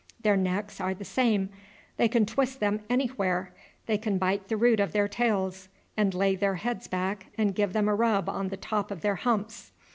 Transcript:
Their necks are the same, they can twist them anywhere. They can bite the root of their tails, and lay their heads back and give them a rub on the top of their humps.